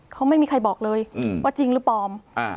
เขาไม่มีใครบอกเลยว่าจริงหรือปลอม